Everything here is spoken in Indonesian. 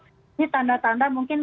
ini tanda tanda mungkin